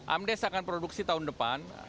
amdes akan produksi tahun depan